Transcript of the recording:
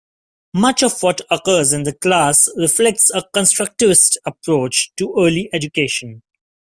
Much of what occurs in the class reflects a constructivist approach to early education.